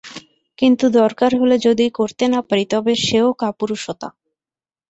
কিন্তু দরকার হলে যদি করতে না পারি তবে সেও কাপুরুষতা।